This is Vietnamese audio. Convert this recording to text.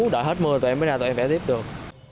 đợi hết mưa tụi em bê ra tụi em vẽ tiếp được